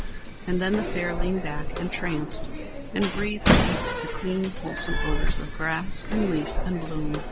And then the fare leaned back, entranced, and breathed deep the clean, wholesome odours of grass and leaf and bloom.